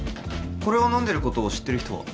これを飲むことを知ってる人は？